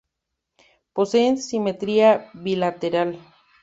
Poseen simetría bilateral.